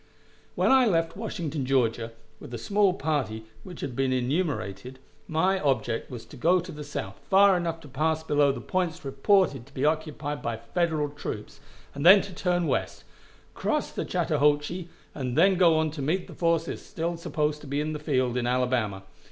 When I left Washington, Georgia, with the small party which has been enumerated, my object was to go to the south far enough to pass below the points reported to be occupied by Federal troops, and then turn to the west, cross the Chattahoochee, and then go on to meet the forces still supposed to be in the field in Alabama.